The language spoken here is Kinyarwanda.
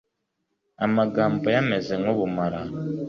amagambo ye ameze nk' ubumara